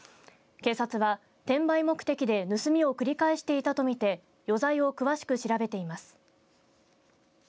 警察は、転売目的で盗みを繰り返していたとみて余罪を詳しく調べています。